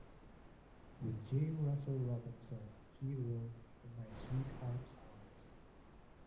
With J. Russell Robinson he wrote "In My Sweetheart's Arms".